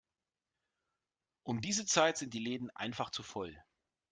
Um diese Zeit sind die Läden einfach zu voll.